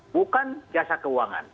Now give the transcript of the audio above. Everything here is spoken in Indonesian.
bukan jasa keuangan